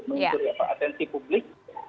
mencuri atensi publik